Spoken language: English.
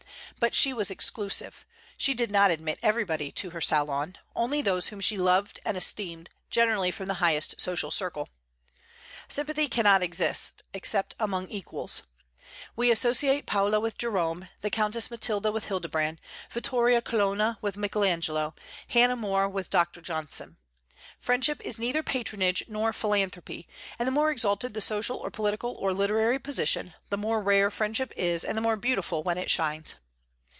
But she was exclusive; she did not admit everybody to her salon, only those whom she loved and esteemed, generally from the highest social circle. Sympathy cannot exist except among equals. We associate Paula with Jerome, the Countess Matilda with Hildebrand, Vittoria Colonna with Michael Angelo, Hannah More with Dr. Johnson. Friendship is neither patronage nor philanthropy; and the more exalted the social or political or literary position, the more rare friendship is and the more beautiful when it shines.